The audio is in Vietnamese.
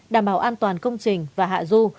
đảm bảo an toàn công trình và hạ du